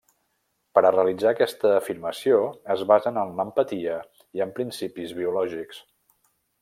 Per a realitzar aquesta afirmació es basen en l'empatia i en principis biològics.